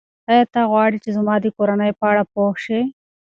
ایا ته غواړې چې زما د کورنۍ په اړه پوه شې؟